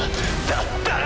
だったら！